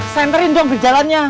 senterin dong di jalannya